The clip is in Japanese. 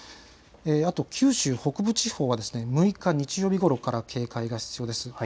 あと九州北部地方は６日、日曜日ごろから警戒が必要です。